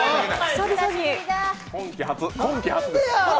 今期初です。